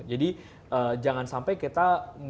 jadi jangan sampai kita